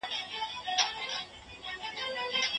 د مخطوبې کورنۍ د خپلو شروطو او معيارونو سره پرتله کول